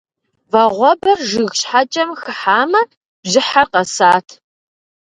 Вагъуэбэр жыг щхьэкӏэм хыхьамэ бжьыхьэр къэсат.